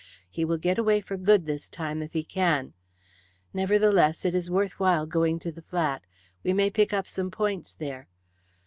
He will get away for good, this time, if he can. Nevertheless it is worth while going to the flat. We may pick up some points there."